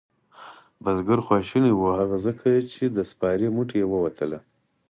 بزگر خواشینی و هغه ځکه چې د سپارې موټۍ یې وتله.